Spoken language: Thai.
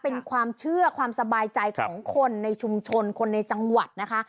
เป็นความเชื่อความสบายใจของคนในชุมชนคนในจังหวัดนะคะ